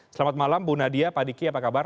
selamat malam bu nadia pak diki apa kabar